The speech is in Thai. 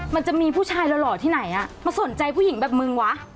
มันจะมีผู้ชายหล่อที่ไหนมาสนใจผู้หญิงแบบมึงวะ